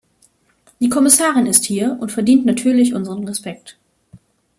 Die Kommissarin ist hier und verdient natürlich unseren Respekt.